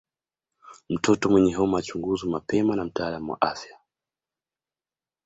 Mtoto mwenye homa achunguzwe mapema na mtaalamu wa afya